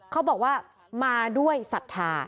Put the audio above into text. เขาบอกว่ามาด้วยศรัทธา